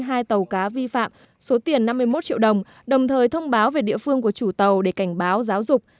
hai tàu cá vi phạm số tiền năm mươi một triệu đồng đồng thời thông báo về địa phương của chủ tàu để cảnh báo giáo dục